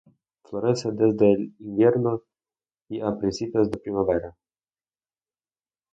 Florece desde el invierno y a principios de primavera.